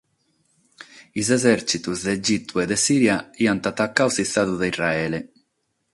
Sos esèrtzitos de Egitu e de Sìria aiant atacadu s’istadu de Israele.